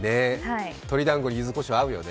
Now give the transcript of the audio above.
鶏だんごにゆずこしょう、合うよね。